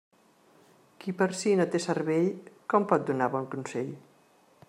Qui per si no té cervell, com pot donar bon consell?